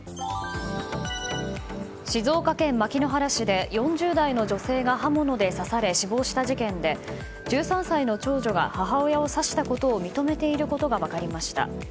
静岡県牧之原市で４０代の女性が刃物で刺され、死亡した事件で１３歳の長女が母親を刺したことを認めていることが分かりました。